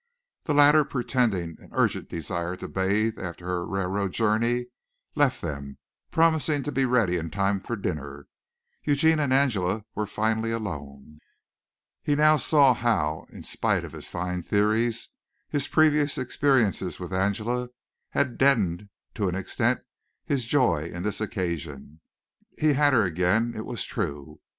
The latter pretending an urgent desire to bathe after her railroad journey, left them, promising to be ready in time for dinner. Eugene and Angela were finally alone. He now saw how, in spite of his fine theories, his previous experiences with Angela had deadened to an extent his joy in this occasion. He had her again it was true.